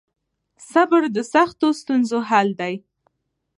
صبر د سختو ستونزو حل دی.